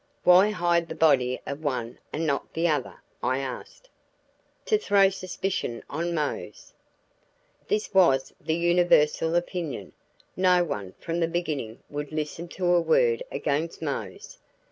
"Why hide the body of one and not the other?" I asked. "To throw suspicion on Mose." This was the universal opinion; no one, from the beginning, would listen to a word against Mose.